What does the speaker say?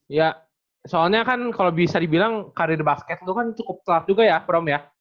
ya soalnya kan kalau bisa dibilang karir basket itu kan cukup telat juga ya prom ya